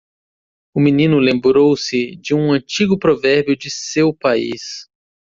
O menino lembrou-se de um antigo provérbio de seu país.